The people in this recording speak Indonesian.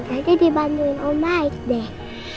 tadi dibantuin om baik deh